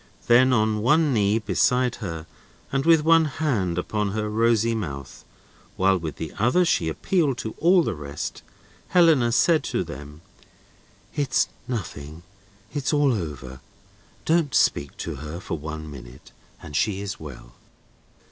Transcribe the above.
Then, on one knee beside her, and with one hand upon her rosy mouth, while with the other she appealed to all the rest, Helena said to them: "It's nothing; it's all over; don't speak to her for one minute, and she is well!"